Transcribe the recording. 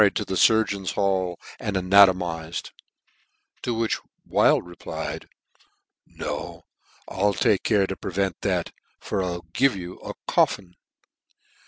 wards be carried to Surgeon's hall, and ana " tomized : to which 'Wild replied, " No, I'll " take care to prevent that, for I'll give you a 4 coffin."